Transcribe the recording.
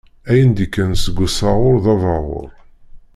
Ayen d-ikkan seg usaɣuṛ d abaɣuṛ.